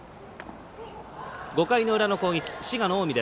５回の裏の攻撃、滋賀、近江。